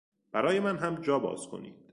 برای من هم جا باز کنید!